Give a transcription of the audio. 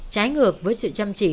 trái ngược với sự chăm chỉ